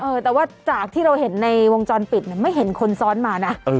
เออแต่ว่าจากที่เราเห็นในวงจรปิดเนี่ยไม่เห็นคนซ้อนมานะ